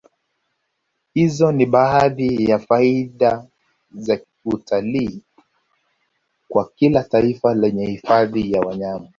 Hizo ni baadhi ya faida za utalii kwa kila taifa lenye hifadhi za wanyama